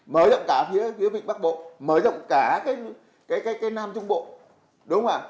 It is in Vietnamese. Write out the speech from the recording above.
mở rộng cả phía khu vực bắc bộ mở rộng cả cái nam trung bộ